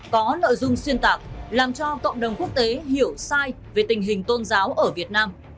có nội dung xuyên tạc làm cho cộng đồng quốc tế hiểu sai về tình hình tôn giáo ở việt nam